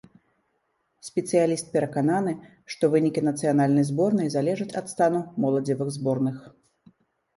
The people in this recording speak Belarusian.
Спецыяліст перакананы, што вынікі нацыянальнай зборнай залежаць ад стану моладзевых зборных.